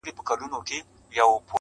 قافیلې د ستورو وتړه سالاره-